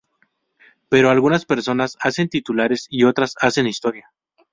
Pero algunas personas hacen titulares y otras hacen historia".